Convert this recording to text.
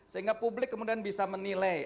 sehingga publik kemudian bisa menilai